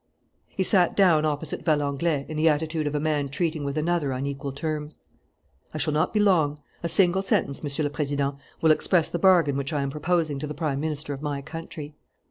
He sat down opposite Valenglay, in the attitude of a man treating with another on equal terms. "I shall not be long. A single sentence, Monsieur le President, will express the bargain which I am proposing to the Prime Minister of my country."